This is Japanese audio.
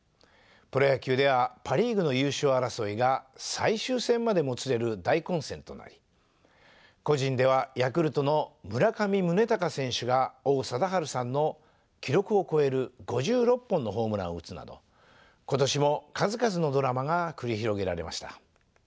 プロ野球ではパ・リーグの優勝争いが最終戦までもつれる大混戦となり個人ではヤクルトの村上宗隆選手が王貞治さんの記録を超える５６本のホームランを打つなど今年も数々のドラマが繰り広げられました。